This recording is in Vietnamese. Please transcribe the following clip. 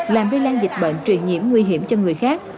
làm lây lan dịch bệnh truyền nhiễm nguy hiểm cho người khác